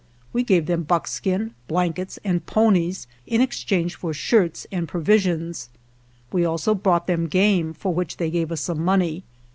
We gave them buckskin, blankets, and ponies in exchange for shirts and pro visions. We also brought them game, for which they gave us some money.